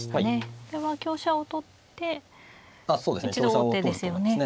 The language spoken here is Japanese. これは香車を取って一度王手ですよね。